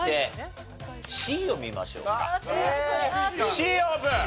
Ｃオープン！